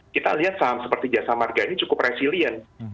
kita lihat saham seperti jasa marga ini cukup resilient